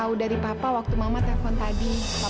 hbaren aja lah sama pulang potential ma